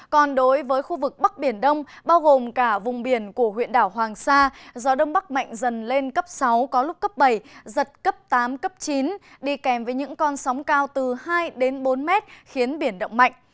còn đối với khu vực bắc biển đông bao gồm cả vùng biển của huyện đảo hoàng sa gió đông bắc mạnh dần lên cấp sáu có lúc cấp bảy giật cấp tám cấp chín đi kèm với những con sóng cao từ hai đến bốn mét khiến biển động mạnh